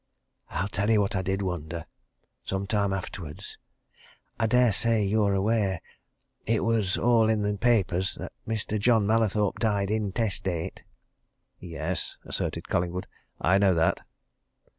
"I'll tell you what I did wonder some time afterwards. I dare say you're aware it was all in the papers that Mr. John Mallathorpe died intestate?" "Yes," asserted Collingwood. "I know that."